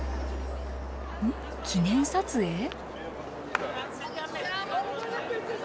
記念撮影？